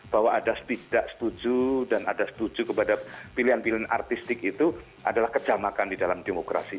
bahwa ada tidak setuju dan ada setuju kepada pilihan pilihan artistik itu adalah kejamakan di dalam demokrasi